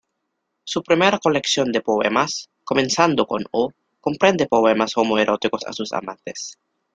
Su primera colección de poemas, "comenzando con O", comprende poemas homoeróticos a sus amantes.